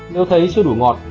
nếu thấy chưa đủ ngọt